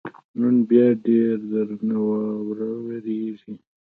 نن بیا ډېره درنه واوره ورېږي.